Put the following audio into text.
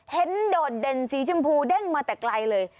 โดดเด่นสีชมพูเด้งมาแต่ไกลเลย